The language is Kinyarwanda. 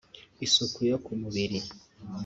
isuku yo ku mubiri